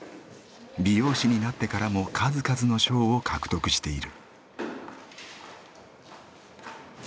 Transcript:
美容師になってからも数々の賞を獲得している。